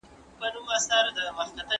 تمرکز به ثابت شي.